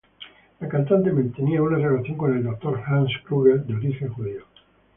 La cantante mantenía una relación con el doctor Hans Krüger de origen judío.